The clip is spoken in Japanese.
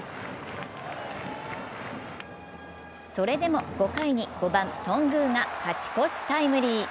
それでも５回に５番・頓宮が勝ち越しタイムリー。